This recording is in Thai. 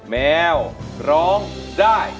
แมวร้องได้